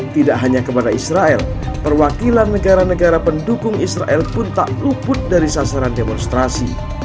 tidak hanya kepada israel perwakilan negara negara pendukung israel pun tak luput dari sasaran demonstrasi